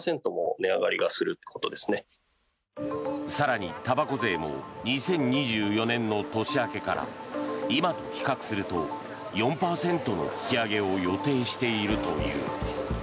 更にたばこ税も２０２４年の年明けから今と比較すると４％の引き上げを予定しているという。